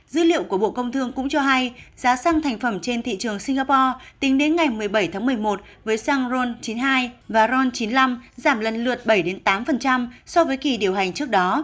dữ liệu của bộ công thương cũng cho hay giá xăng thành phẩm trên thị trường singapore tính đến ngày một mươi bảy tháng một mươi một với xăng ron chín mươi hai và ron chín mươi năm giảm lần lượt bảy tám so với kỳ điều hành trước đó